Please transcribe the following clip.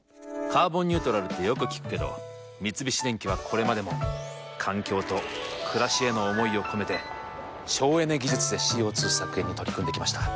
「カーボンニュートラル」ってよく聞くけど三菱電機はこれまでも環境と暮らしへの思いを込めて省エネ技術でＣＯ２削減に取り組んできました。